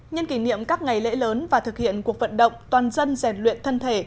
nhân kỷ niệm các ngày lễ lớn và thực hiện cuộc vận động toàn dân rèn luyện thân thể